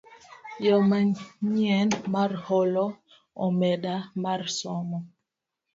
Yo manyien mar holo omenda mar somo